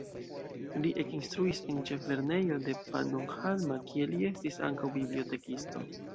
Li ekinstruis en ĉeflernejo de Pannonhalma, kie li estis ankaŭ bibliotekisto.